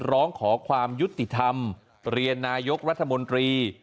ร้องขอความยุติธรรมเรียนนายกรัฐมนตรี